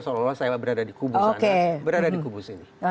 seolah olah saya berada di kubus